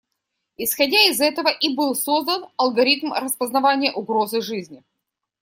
Исходя из этого и был создан алгоритм распознавания угрозы жизни.